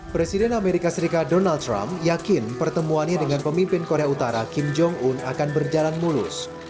presiden amerika serikat donald trump yakin pertemuannya dengan pemimpin korea utara kim jong un akan berjalan mulus